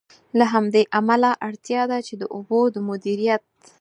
له همدې امله، اړتیا ده چې د اوبو د مدیریت.